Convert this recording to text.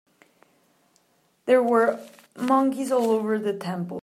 There were monkeys all over the temple.